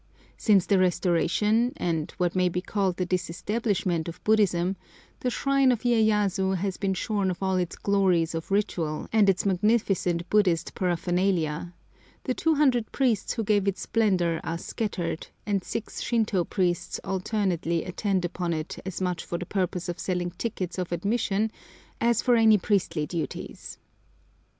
Since the restoration, and what may be called the disestablishment of Buddhism, the shrine of Iyéyasu has been shorn of all its glories of ritual and its magnificent Buddhist paraphernalia; the 200 priests who gave it splendour are scattered, and six Shintô priests alternately attend upon it as much for the purpose of selling tickets of admission as for any priestly duties.